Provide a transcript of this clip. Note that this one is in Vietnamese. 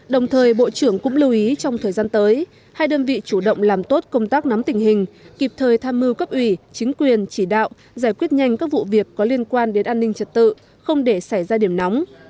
đồng thời bộ trưởng cũng lưu ý trong thời gian tới hai đơn vị chủ động làm tốt công tác nắm tình hình kịp thời tham mưu cấp ủy chính quyền chỉ đạo giải quyết nhanh các vụ việc có liên quan đến an ninh trật tự không để xảy ra điểm nóng